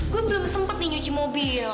gue belum sempat nih nyuci mobil